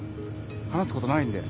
話すことないんで。